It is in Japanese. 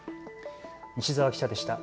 西澤記者でした。